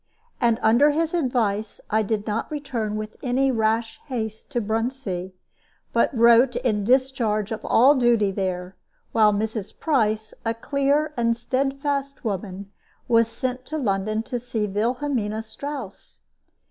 And, under his advice, I did not return with any rash haste to Bruntsea, but wrote in discharge of all duty there; while Mrs. Price, a clear and steadfast woman, was sent to London to see Wilhelmina Strouss.